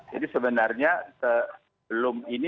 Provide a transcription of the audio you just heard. jadi sebenarnya belum ini